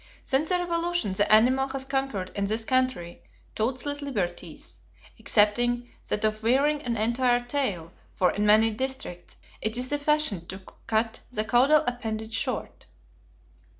Since the Revolution the animal has conquered in this country "toutes les liberties," excepting that of wearing an entire tail, for in many districts it is the fashion to cut the caudal appendage short.